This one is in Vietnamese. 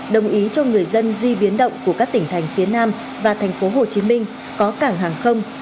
đồng ý cho người dân di biến động của các tỉnh thành phía nam và thành phố hồ chí minh có cảng hàng không